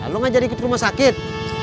lo gak jadi rumah sakit